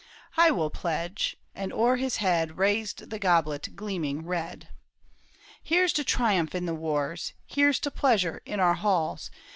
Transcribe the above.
" I will pledge ;" and o'er his head Raised the goblet gleaming red. " Here's to triumph in the wars ! Here's to pleasure in our halls